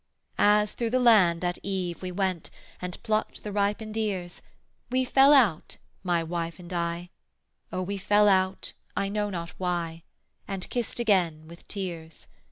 As through the land at eve we went, And plucked the ripened ears, We fell out, my wife and I, O we fell out I know not why, And kissed again with tears.